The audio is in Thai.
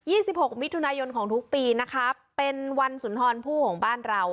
สิบหกมิถุนายนของทุกปีนะคะเป็นวันสุนทรผู้ของบ้านเรา